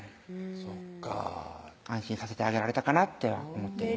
そっか安心させてあげられたかなって思っています